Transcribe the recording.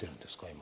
今。